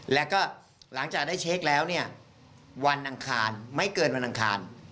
แล้วก็หลังจากได้เช็คแล้วเนี่ยวันอังคารไม่เกินวันอังคาร